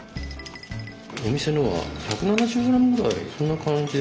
⁉お店のは１７０ｇぐらいそんな感じですかね。